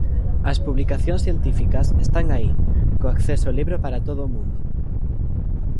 As publicacións científicas están aí, co acceso libre para todo o mundo.